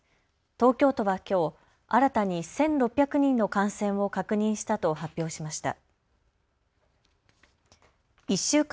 東京都はきょう新たに１６００人の感染を確認したと発表しました。